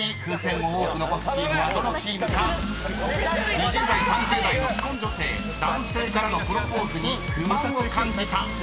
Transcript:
［２０代３０代の既婚女性男性からのプロポーズに不満を感じた何％か。